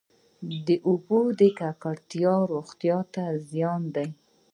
د اوبو ککړتیا روغتیا ته زیان دی.